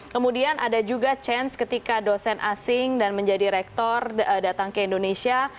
kemudian ada juga chance ketika dosen asing dan menjadi rektor datang ke indonesia